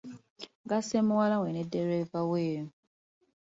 Gasse muwala we ne ddereeva we.